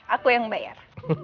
aku yang bayar